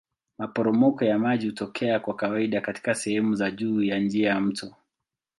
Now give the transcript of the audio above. Maporomoko ya maji hutokea kwa kawaida katika sehemu za juu ya njia ya mto.